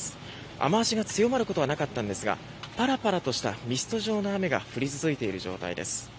雨脚が強まることはなかったんですがパラパラとしたミスト状の雨が降り注いでいる状態です。